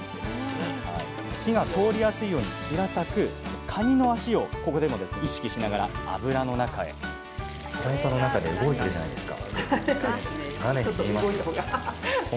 火が通りやすいように平たくかにの足をここでも意識しながら油の中へフライパンの中で動いてるじゃないですか。